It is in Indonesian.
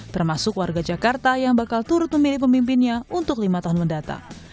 termasuk warga jakarta yang bakal turut memilih pemimpinnya untuk lima tahun mendatang